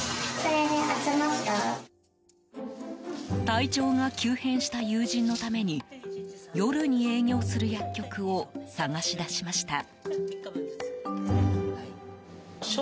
体調が急変した友人のために夜に営業する薬局を探し出しました。